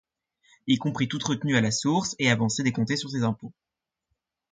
y compris toutes retenues à la source et avances décomptées sur ces impôts